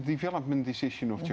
bagaimana itu berfungsi tekniknya